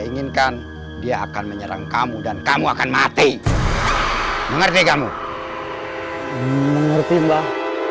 inginkan dia akan menyerang kamu dan kamu akan mati mengerti kamu mengertilah